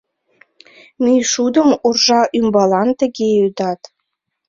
Мӱйшудым уржа ӱмбалан тыге ӱдат.